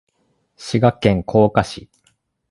滋賀県甲賀市